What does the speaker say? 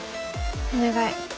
お願い。